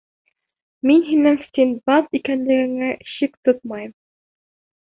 Мин һинең Синдбад икәнлегеңә шик тотмайым.